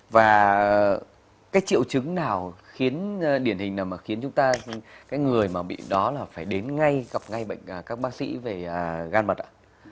và cái triệu chứng nào khiến điển hình nào mà khiến chúng ta cái người mà bị đó là phải đến ngay gặp ngay các bác sĩ về gan mật ạ